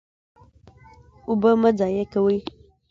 اوبه مه ضایع کوئ